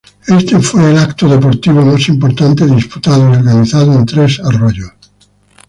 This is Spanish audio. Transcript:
Este fue el evento deportivo más importante disputado y organizado en Tres Arroyos.